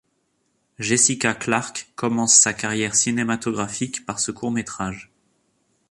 Jessica Clark commence sa carrière cinématographique par ce court-métrage.